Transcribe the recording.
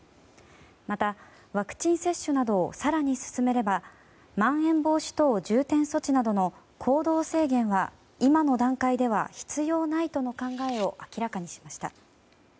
また、ワクチン接種などを更に進めればまん延防止等重点措置などの行動制限は今の段階では必要ないとの考えを明らかにしました。